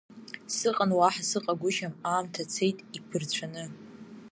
Сыҟан уаҳа сыҟагәышьам, аамҭа цеит иԥырцәаны!